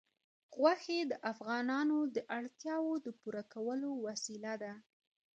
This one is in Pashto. غوښې د افغانانو د اړتیاوو د پوره کولو وسیله ده.